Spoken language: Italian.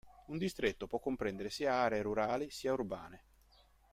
Un distretto può comprendere sia aree rurali sia urbane.